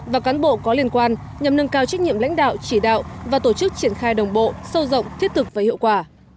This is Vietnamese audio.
và cán bộ có liên quan nhằm nâng cao trách nhiệm lãnh đạo chỉ đạo và tổ chức triển khai đồng bộ sâu rộng thiết thực và hiệu quả